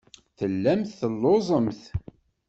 Tellamt telluẓemt.